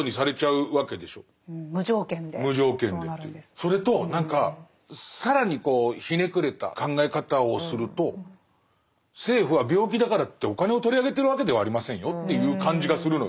それと更にひねくれた考え方をすると政府は病気だからといってお金を取り上げてるわけではありませんよっていう感じがするのよ。